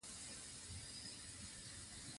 د ژبې د ودې لپاره بودیجه ټاکل پکار ده.